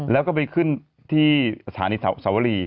แล้วก็ไปขึ้นที่ศาลิสาวรี